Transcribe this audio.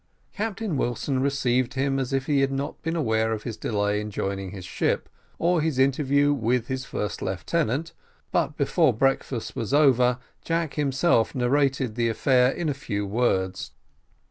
Captain Wilson received him as if he had not been aware of his delay in joining his ship, or his interview with his first lieutenant, but before breakfast was over, Jack himself narrated the affair in a few words.